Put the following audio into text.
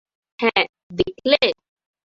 হ্যাঁ, দেখলে?